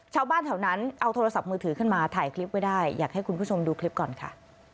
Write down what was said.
ชาวบ้านแถวนั้นเอาโทรศัพท์มือถือขึ้นมาถ่ายคลิปไว้ได้อยากให้คุณผู้ชมดูคลิปก่อนค่ะ